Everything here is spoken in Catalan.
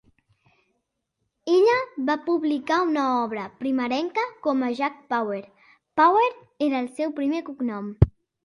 Ella va publicar una obra primerenca com a "Jack Power"; Power era el seu primer cognom.